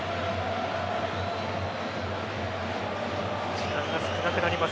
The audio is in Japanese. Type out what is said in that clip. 時間が少なくなります。